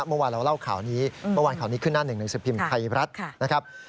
เมื่อวานเราเล่าข่าวนี้เมื่อวานข่าวนี้ขึ้นหน้าหนึ่งหนังสือพิมพ์ไทยรัฐนะครับ